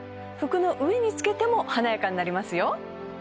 服の上につけても華やかになりますよ